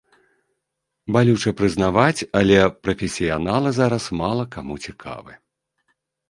Балюча прызнаваць, але прафесіяналы зараз мала каму цікавы.